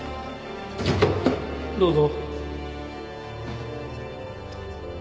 どうぞ